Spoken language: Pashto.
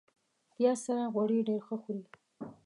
پیاز سره غوړي ډېر ښه خوري